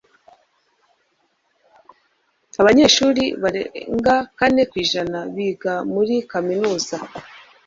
Abanyeshuri barenga kane ku ijana biga muri kaminuza